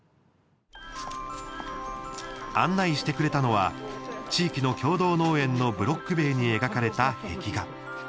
案内してくれたのは地域の共同農園のブロック塀に描かれた壁画。